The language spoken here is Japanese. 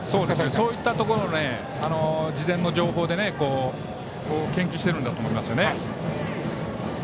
そういったところを事前の情報で研究してるんだと思います。